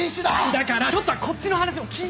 だからちょっとはこっちの話も聞いて。